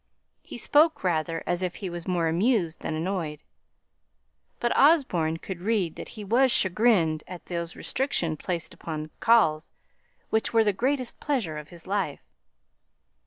He spoke rather as if he was more amused than annoyed; but Osborne could read that he was chagrined at those restrictions placed upon calls which were the greatest pleasure of his life.